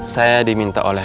saya diminta oleh